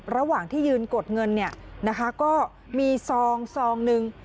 ระหว่างที่ยืนกดเงินเนี่ยนะคะก็มีซองซองหนึ่ง